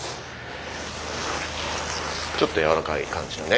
ちょっと柔らかい感じだね。